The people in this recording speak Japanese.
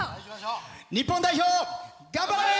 日本代表、頑張れ！